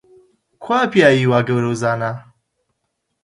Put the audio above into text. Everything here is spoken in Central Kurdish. کوا پیاوی وا گەورە و زانا؟